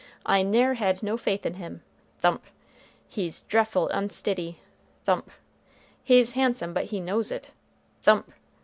"I ne'er had no faith in him," thump. "He's dreffle unstiddy," thump. "He's handsome, but he knows it," thump.